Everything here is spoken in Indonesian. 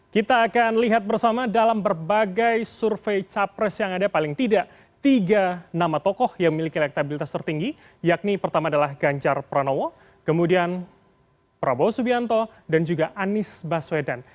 kita akan lihat bersama dalam berbagai survei capres yang ada paling tidak tiga nama tokoh yang memiliki elektabilitas tertinggi yakni pertama adalah ganjar pranowo kemudian prabowo subianto dan juga anies baswedan